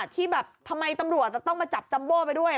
ที่แบบทำไมตำรวจจะต้องมาจับจัมโบ้ไปด้วย